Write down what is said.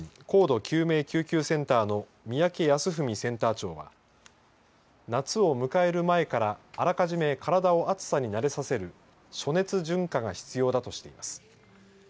高度救命救急センターの三宅康史センター長は夏を迎える前からあらかじめ体を暑さに慣れさせる暑熱順化が必要だとしています。